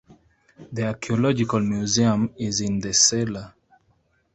The Archeological Museum is in the cellar.